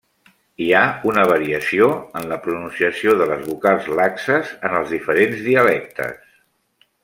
Hi ha una variació en la pronunciació de les vocals laxes en els diferents dialectes.